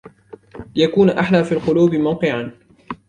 لِيَكُونَ أَحْلَى فِي الْقُلُوبِ مَوْقِعًا